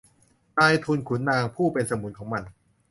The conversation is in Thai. นายทุนขุนนางผู้เป็นสมุนของมัน